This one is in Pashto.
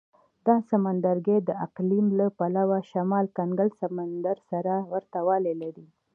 دا سمندرګي د اقلیم له پلوه شمال کنګل سمندر سره ورته والی لري.